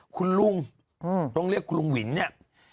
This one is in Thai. คุณลุงต้องเรียกคุณลุงวินเนี่ย